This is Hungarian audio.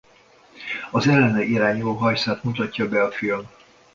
Az ellene irányuló hajszát mutatja be a film.